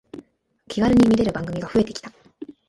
気軽に見れる番組が増えてきた